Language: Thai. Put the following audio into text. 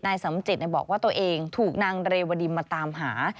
สำจิตบอกว่าตัวเองถูกนางเรวดีมาตามหา